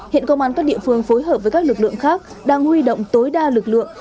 hiện công an các địa phương phối hợp với các lực lượng khác đang huy động tối đa lực lượng